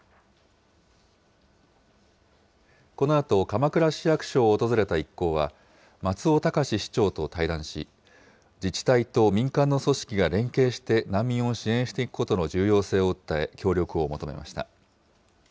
このあと鎌倉市役所を訪れた一行は、松尾崇市長と対談し、自治体と民間の組織が連携して、難民を支援していくことの重要性を訴え、協力を求めました。